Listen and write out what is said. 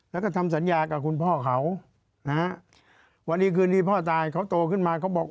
แล้วก็ทำสัญญากับคุณพ่อเขานะฮะวันนี้คืนที่พ่อตายเขาโตขึ้นมาเขาบอก